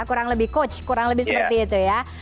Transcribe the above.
kurang lebih coach kurang lebih seperti itu ya